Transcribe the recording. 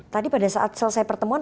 tadi pada saat selesai pertemuan